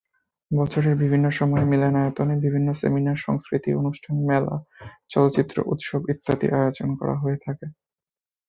বছরের বিভিন্ন সময়ে মিলনায়তনে বিভিন্ন সেমিনার, সাংস্কৃতিক অনুষ্ঠান, মেলা, চলচ্চিত্র উৎসব ইত্যাদির আয়োজন করা হয়ে থাকে।